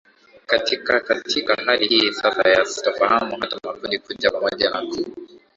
katika katika hali hii sasa ya sitofahamu haya makundi kuja pamoja na ku